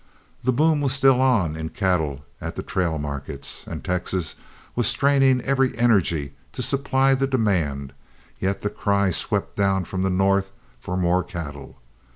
The boom was still on in cattle at the trail markets, and Texas was straining every energy to supply the demand, yet the cry swept down from the North for more cattle.